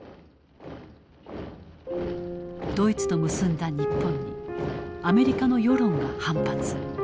ドイツと結んだ日本にアメリカの世論は反発。